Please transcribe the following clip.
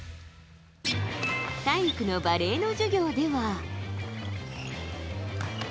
体育のバレーの授業では。